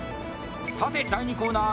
さて、第２コーナー